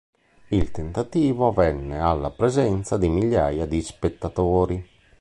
Il tentativo avvenne alla presenza di migliaia di spettatori.